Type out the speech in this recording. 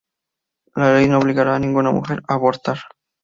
La ley no obligará a ninguna mujer a abortar.